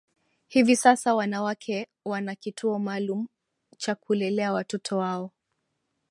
Hivi sasa wanawake wana kituo maalum cha kulelea watoto wao